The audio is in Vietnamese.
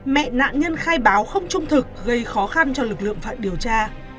mẹ nạn nhân khai báo không trung thực gây khó khăn cho lực lượng phản điều tra